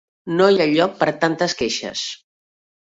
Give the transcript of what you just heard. No hi ha lloc per a tantes queixes.